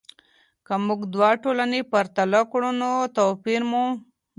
که موږ دوه ټولنې پرتله کړو نو توپیر مومو.